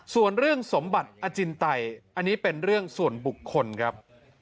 ส่วนเรื่องสมบัติอจินไตอันนี้เป็นเรื่องส่วนบุคคลครับ